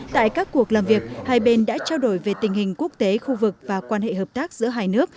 tại các cuộc làm việc hai bên đã trao đổi về tình hình quốc tế khu vực và quan hệ hợp tác giữa hai nước